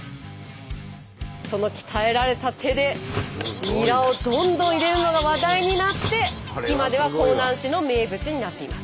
その鍛えられた手でニラをどんどん入れるのが話題になって今では香南市の名物になっています。